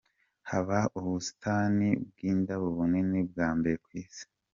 Haba ubusitani bw’indabo bunini bwa mbere ku isi.